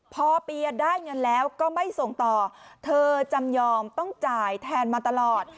พอเปียได้เงินแล้วก็ไม่ส่งต่อเธอจำยอมต้องจ่ายแทนมาตลอด